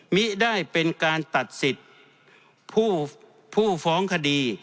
มิได้เป็นการตัดสิทธิ์ผู้ฟ้องคดี